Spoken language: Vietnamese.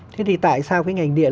thế thì tại sao cái ngành điện